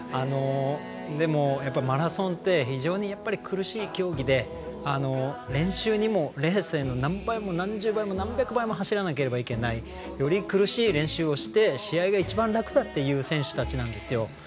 でもマラソンって非常に苦しい競技で、練習でもレースの何倍も何十倍も何百倍も走らなければいけないより苦しい練習をして試合が一番楽だっていう選手たちなんですよ。